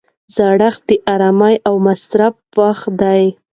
زړښت د ارام او مصرف وخت دی.